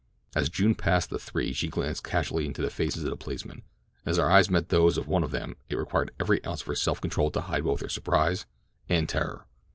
As June passed the three she glanced casually into the faces of the policemen, and as her eyes met those of one of them it required every ounce of her self control to hide both her surprise and terror.